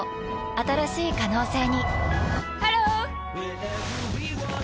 新しい可能性にハロー！